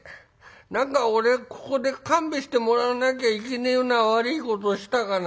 何か俺ここで勘弁してもらわなきゃいけねえような悪いことをしたかな？」。